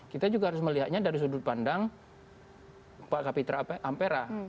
kita juga harus melihatnya dari sudut pandang pak kapitra ampera